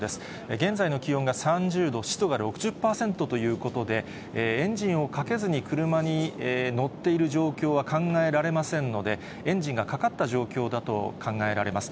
現在の気温が３０度、湿度が６０％ということで、エンジンをかけずに車に乗っている状況は考えられませんので、エンジンがかかった状況だと考えられます。